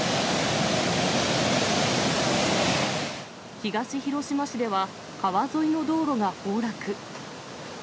東広島市では、川沿いの道路が崩落。